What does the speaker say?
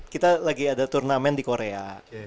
kita lagi ada turnamen di korea